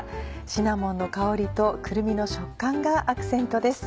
シナモンの香りとくるみの食感がアクセントです。